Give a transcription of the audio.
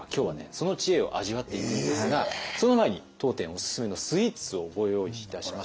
その知恵を味わっていくんですがその前に当店おすすめのスイーツをご用意いたしました。